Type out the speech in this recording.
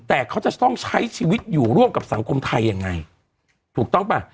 แต่เขาจะต้องใช้ชีวิตอยู่ร่วมกับสังคมไทยยังไงถูกต้องป่ะ